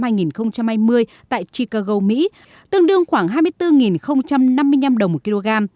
giá thịt lợn nạc giao tháng bảy năm hai nghìn hai mươi tại chicago mỹ tương đương khoảng hai mươi bốn năm mươi năm đồng một kg